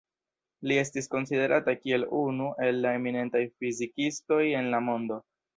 Li estis konsiderata kiel unu el la eminentaj fizikistoj en la mondo.